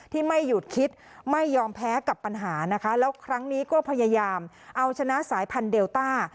ที่ไม่หยุดคิดไม่ยอมแพ้กับปัญหานะคะแล้วครั้งนี้ก็พยายามเอาชนะสายพันธุเดลต้า